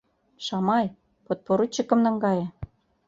Шамай, подпоручикым наҥгае!